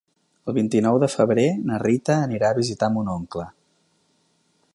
El vint-i-nou de febrer na Rita anirà a visitar mon oncle.